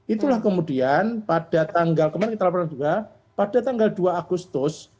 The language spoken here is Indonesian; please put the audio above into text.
itulah kemudian pada tanggal kemarin kita laporkan juga pada tanggal dua agustus